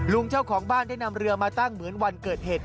เจ้าของบ้านได้นำเรือมาตั้งเหมือนวันเกิดเหตุ